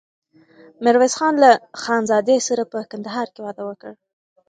ميرويس خان له خانزادې سره په کندهار کې واده وکړ.